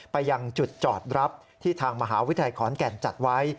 ไปยังจุดจอดรับที่ทางมหาวิทยาลัยขอนแก่นจัดไว้